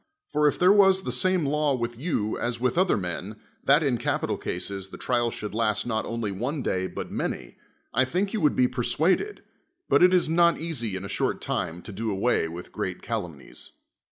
For if there was the same law with you as with other men, that in caf^ital cases the tivial should last not only on(; da} Imt many, I think you would be persuaded: but it is not (^asy in a short time to do a"''ay v. itli u'l'^at calumnies.